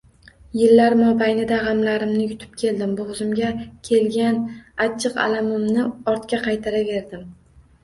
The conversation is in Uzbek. Yillar mobaynida g`amlarimni yutib keldim, bo`g`zimga kelgan achchiq allanimani ortga qaytaraverdim